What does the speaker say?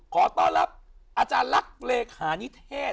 ขอต้อนรับอาจารย์ลักษณ์เลขานิเทศ